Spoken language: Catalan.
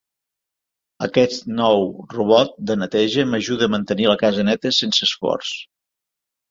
Aquest nou robot de neteja m'ajuda a mantenir la casa neta sense esforç.